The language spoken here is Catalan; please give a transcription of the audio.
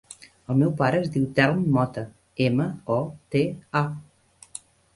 El meu pare es diu Telm Mota: ema, o, te, a.